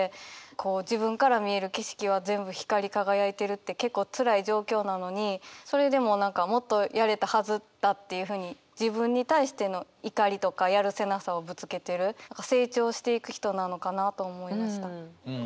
自分から見える景色は全部光り輝いてるって結構つらい状況なのにそれでも何か「もっとやれたはずだ」っていうふうに自分に対しての怒りとかやるせなさをぶつけてる成長していく人なのかなと思いました。